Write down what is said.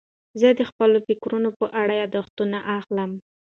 زه د خپلو فکرونو په اړه یاداښتونه اخلم.